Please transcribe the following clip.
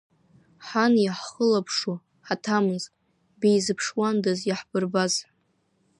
Ҳан иаҳхылаԥшу, ҳаҭамыз, бизыԥшуандаз иаҳбырбаз…